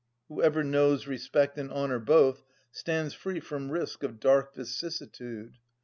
Whoever knows respect and honour both Stands free from risk of dark vicissitude.